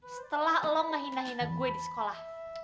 setelah lo ngehina hina gue di sekolah